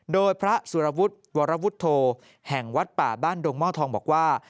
โดยพระสุรวุฒิวรวุฒโธแห่งวัดป่าบ้านดงหม้อทองบอกว่า